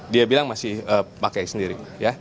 dia bilang masih pakai sendiri